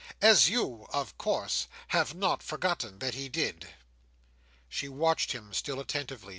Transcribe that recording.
As you, of course, have not forgotten that he did." She watched him still attentively.